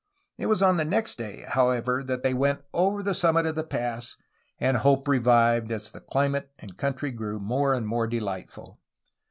It was on the next day, however, that they went over the summit of the pass, and hope revived as the climate and country grew more and more delightful.